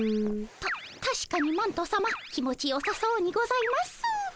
たたしかにマントさま気持ちよさそうにございます。